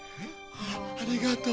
あっありがとう。